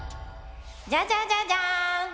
ジャジャジャジャーン！